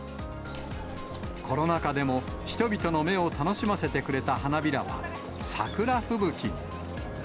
コロナ禍でも人々の目を楽しませてくれた花びらは、桜吹雪に。